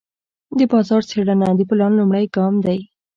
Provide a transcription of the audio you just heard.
د بازار څېړنه د پلان لومړی ګام دی.